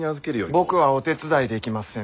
僕はお手伝いできません。